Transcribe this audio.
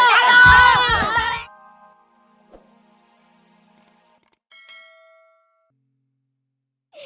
ayo temen temen kita rebut